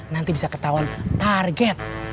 nanti bisa ketahuan target